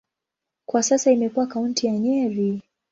Kwa sasa imekuwa kaunti ya Nyeri.